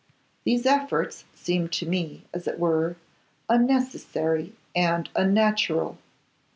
These efforts seem to me, as it were, unnecessary and unnatural.